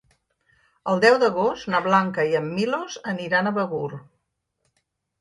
El deu d'agost na Blanca i en Milos aniran a Begur.